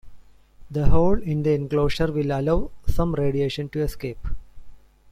The hole in the enclosure will allow some radiation to escape.